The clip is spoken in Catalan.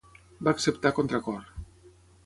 Va acceptar a contracor.